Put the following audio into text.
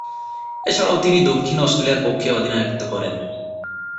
এছাড়াও তিনি দক্ষিণ অস্ট্রেলিয়ার পক্ষে অধিনায়কত্ব করেন।